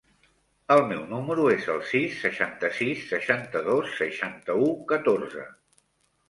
El meu número es el sis, seixanta-sis, seixanta-dos, seixanta-u, catorze.